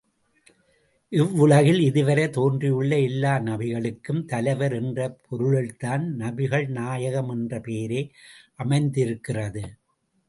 இவ்வுலகில் இதுவரை தோன்றியுள்ள எல்லா நபிகளுக்கும் தலைவர் என்ற பொருளில்தான், நபிகள் நாயகம் என்ற பெயரே அமைந்திருக்கிறது.